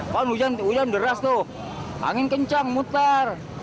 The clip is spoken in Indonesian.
papan hujan deras tuh angin kencang muter